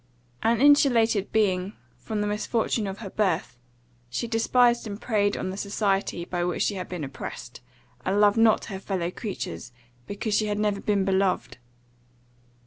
An insulated being, from the misfortune of her birth, she despised and preyed on the society by which she had been oppressed, and loved not her fellow creatures, because she had never been beloved.